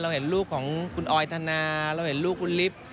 เห็นรูปของคุณออยธนาเราเห็นลูกคุณลิฟต์